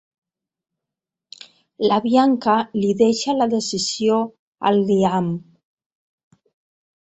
La Bianca li deixa la decisió al Liam.